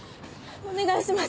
お願いします。